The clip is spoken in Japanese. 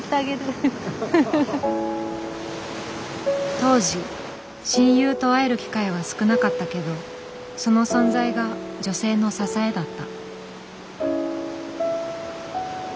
当時親友と会える機会は少なかったけどその存在が女性の支えだった。